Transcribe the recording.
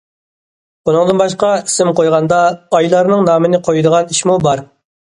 ئۇنىڭدىن باشقا ئىسىم قويغاندا ئايلارنىڭ نامىنى قويىدىغان ئىشمۇ بار.